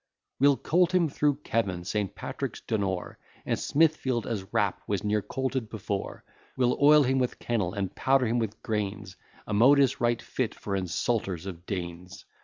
We'll colt him through Kevan, St. Patrick's, Donore, And Smithfield, as rap was ne'er colted before; We'll oil him with kennel, and powder him with grains, A modus right fit for insulters of deans.